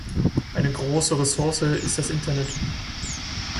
Eine große Ressource ist das Internet.